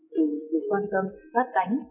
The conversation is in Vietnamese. từ sự quan tâm sát cánh